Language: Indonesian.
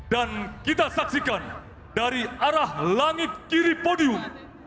dan kita saksikan dari arah langit kiri podium